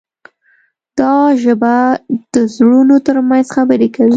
دا ژبه د زړونو ترمنځ خبرې کوي.